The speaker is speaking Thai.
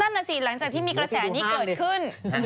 น่ะสิหลังจากที่มีกระแสนี้เกิดขึ้น